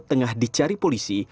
tengah dicari polisi